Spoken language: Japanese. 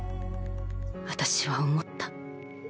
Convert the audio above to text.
私は思った。